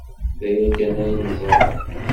D aya kan ay neẓra.